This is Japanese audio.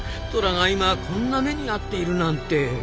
トラが今こんな目に遭っているなんて。